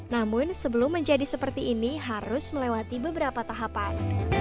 namun sebelum menjadi seperti ini harus melewati beberapa tahapan